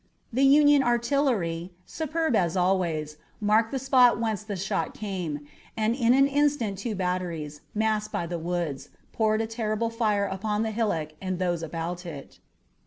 The Union artillery, superb as always, marked the spot whence the shot came, and in an instant two batteries, masked by the woods, poured a terrible fire upon the hillock and those about it.